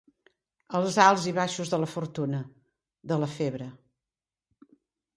Els alts i baixos de la fortuna, de la febre.